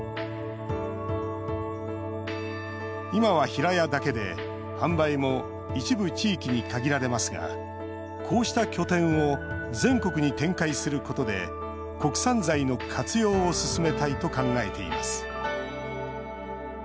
今は平屋だけで販売も一部地域に限られますがこうした拠点を全国に展開することで国産材の活用を進めたいと考えています